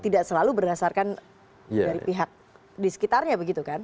tidak selalu berdasarkan dari pihak di sekitarnya begitu kan